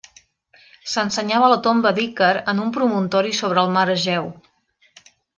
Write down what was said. S'ensenyava la tomba d'Ícar en un promontori sobre el mar Egeu.